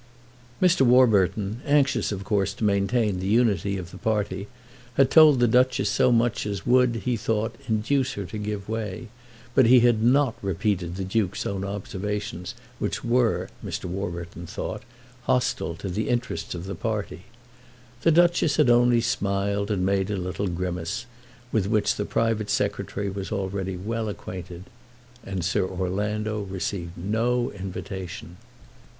Mr. Warburton, anxious of course to maintain the unity of the party, had told the Duchess so much as would, he thought, induce her to give way; but he had not repeated the Duke's own observations, which were, Mr. Warburton thought, hostile to the interests of the party. The Duchess had only smiled and made a little grimace, with which the private secretary was already well acquainted. And Sir Orlando received no invitation.